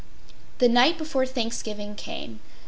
The night before Thanksgiving came.